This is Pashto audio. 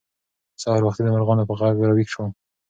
سهار وختي د مرغانو په غږ راویښ شوو.